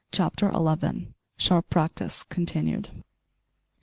CHAPTER ELEVEN. SHARP PRACTICE CONTINUED.